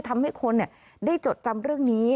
ทำให้คนได้จดจำเรื่องนี้